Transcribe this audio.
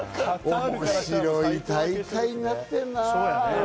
面白い大会になっているな。